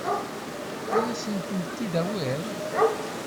Ad asen-tent-id-tawiḍ?